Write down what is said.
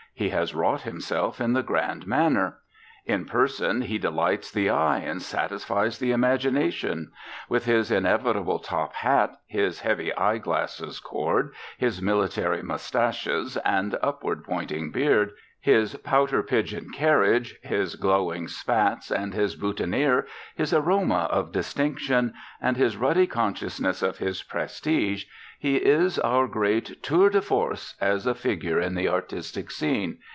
He has wrought himself in the grand manner. In person he delights the eye, and satisfies the imagination. With his inevitable top hat, his heavy eye glasses cord, his military moustaches and upward pointing beard, his pouter pigeon carriage, his glowing spats and his boutonniere, his aroma of distinction, and his ruddy consciousness of his prestige, he is our great tour de force as a figure in the artistic scene.